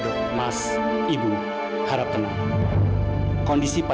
dok berapa pukul aida